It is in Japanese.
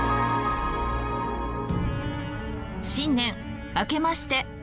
新年明けまして。